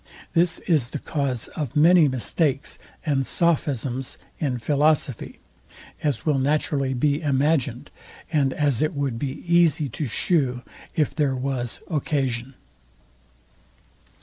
This is the cause of many mistakes and sophisms in philosophy; as will naturally be imagined, and as it would be easy to show, if there was occasion.